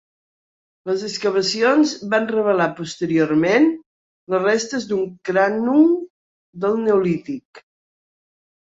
Les excavacions van revelar posteriorment les restes d'un crannog del neolític.